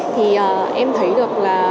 thì em thấy được là